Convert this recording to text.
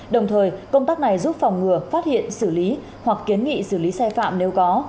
đồng thời công tác này giúp phòng ngừa phát hiện xử lý hoặc kiến nghị xử lý sai phạm nếu có